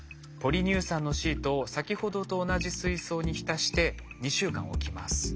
ポリ乳酸のシートを先ほどと同じ水槽に浸して２週間置きます。